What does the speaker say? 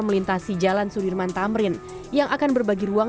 melintasi jalan sudirman tamrin yang akan berbagi ruang